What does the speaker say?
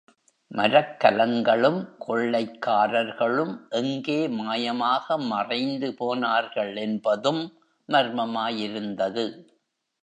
மரக்கலங்களும் கொள்ளைக்காரர்களும் எங்கே மாயமாக மறைந்து போனார்கள் என்பதும் மர்மமாயிருந்தது.